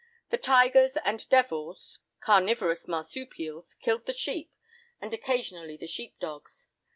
The 'tigers' and 'devils' (carnivorous marsupials) killed the sheep and occasionally the sheep dogs.